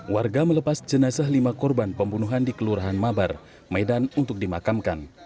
warga melepas jenazah lima korban pembunuhan di kelurahan mabar medan untuk dimakamkan